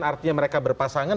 artinya mereka berpasangan